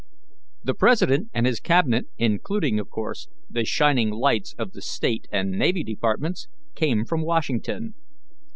The President and his Cabinet including, of course, the shining lights of the State and Navy Departments came from Washington.